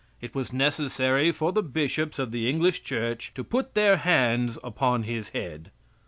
It was necessary for the bishops of the English church to put their hands upon his head.